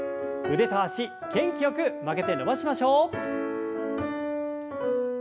腕と脚元気よく曲げて伸ばしましょう。